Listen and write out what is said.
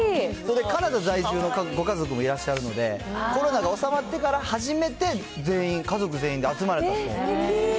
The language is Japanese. カナダ在住のご家族もいらっしゃるので、コロナが収まってから初めて全員、家族全員で集まれたと。